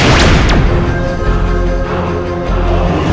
kami akan mengembalikan mereka